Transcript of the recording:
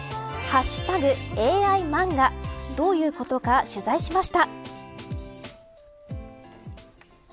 ＃ＡＩマンガどういうことなのか取材しました。